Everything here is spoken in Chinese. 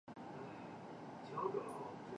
鸡纳树为茜草科金鸡纳属下的一个种。